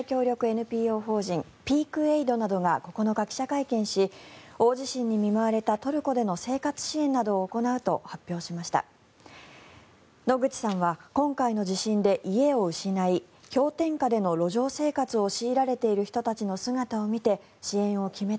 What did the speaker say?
ＮＰＯ法人ピーク・エイドなどが９日、記者会見し大地震に見舞われたトルコでの生活支援などを行うと発表しました。